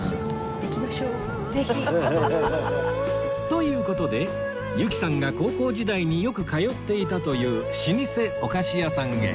という事で由紀さんが高校時代によく通っていたという老舗お菓子屋さんへ